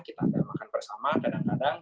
kita akan makan bersama kadang kadang